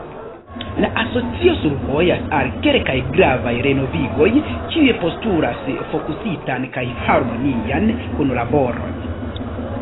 “La Asocio survojas al kelkaj gravaj renovigoj, kiuj postulas fokusitan kaj harmonian kunlaboron.